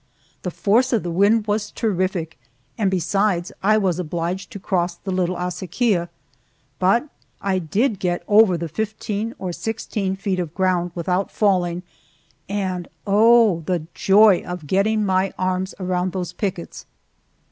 The force of the wind was terrific, and besides, I was obliged to cross the little acequia. But I did get over the fifteen or sixteen feet of ground without falling, and oh, the joy of getting my arms around those pickets!